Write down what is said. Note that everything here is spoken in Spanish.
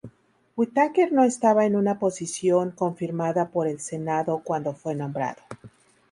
Whitaker no estaba en una posición confirmada por el Senado cuando fue nombrado.